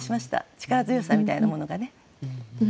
力強さみたいなものがね。